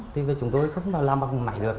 thì chúng tôi không làm bằng máy được